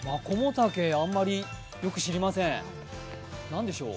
あまりよく知りません、何でしょう。